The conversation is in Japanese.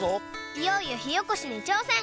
いよいよひおこしにちょうせん